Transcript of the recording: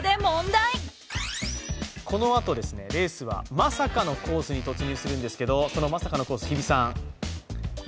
このあと、レースはまさかのコースに突入するんですけど、そのまさかのコース、日比さん？